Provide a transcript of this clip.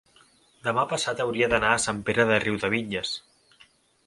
demà passat hauria d'anar a Sant Pere de Riudebitlles.